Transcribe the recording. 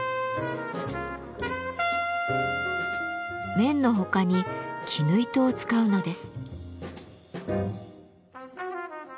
綿の他に絹糸を使うのです。